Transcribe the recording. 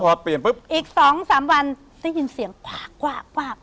พอเปลี่ยนปุ๊บอีก๒๓วันได้ยินเสียงกวากวาก